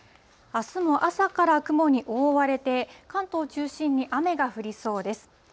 あすも朝から雲に覆われて、関東を中心に雨が降りそうです。